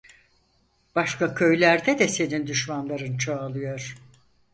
Başka köylerde de senin düşmanların çoğalıyor.